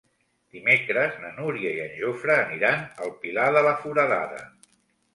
Dimecres na Núria i en Jofre aniran al Pilar de la Foradada.